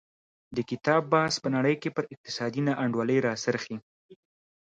د کتاب بحث په نړۍ کې پر اقتصادي نا انډولۍ راڅرخي.